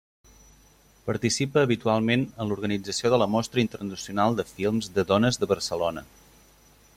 Participa habitualment en l'organització de la Mostra Internacional de Films de Dones de Barcelona.